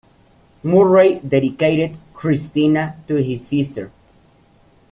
Murray dedicated "Christina" to his sister.